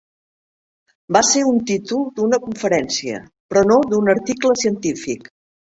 Va ser un títol d'una conferència, però no d'un article científic.